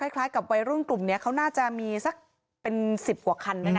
คล้ายกับวัยรุ่นกลุ่มนี้เขาน่าจะมีสักเป็น๑๐กว่าคันด้วยนะ